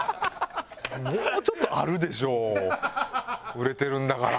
もうちょっとあるでしょ売れてるんだから。